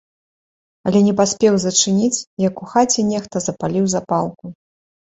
Але не паспеў зачыніць, як у хаце нехта запаліў запалку.